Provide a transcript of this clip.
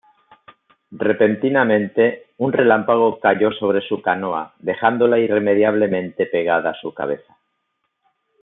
Repentinamente, un relámpago cayó sobre su canoa, dejándola irremediablemente pegada a su cabeza.